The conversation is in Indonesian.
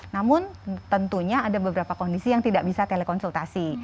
namun tentunya ada beberapa kondisi yang tidak bisa telekonsultasi